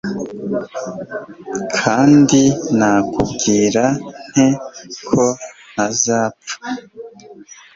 Kandi nakwibwira nte ko ntazapfa?